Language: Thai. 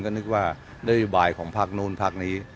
คนก็นึกว่านโยบายของภาคนู้นอันตรายนี้